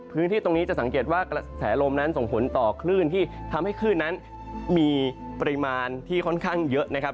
พื้นที่ตรงนี้จะสังเกตว่ากระแสลมนั้นส่งผลต่อคลื่นที่ทำให้คลื่นนั้นมีปริมาณที่ค่อนข้างเยอะนะครับ